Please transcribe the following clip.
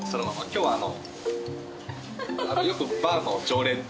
今日はあの。